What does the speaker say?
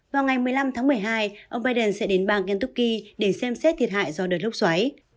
vào ngày một mươi năm tháng một mươi hai ông biden sẽ đến bang kentuki để xem xét thiệt hại do đợt lốc xoáy